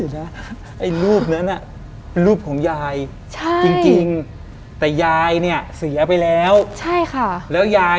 เดี๋ยวนะไอ้รูปนั้นอะ